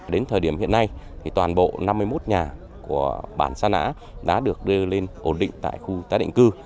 đến thời điểm hiện nay toàn bộ năm mươi một nhà của bản sa nã đã được đưa lên ổn định tại khu tái định cư